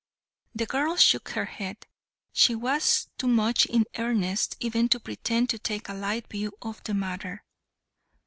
The girl shook her head. She was too much in earnest even to pretend to take a light view of the matter.